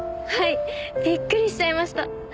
はい！びっくりしちゃいました。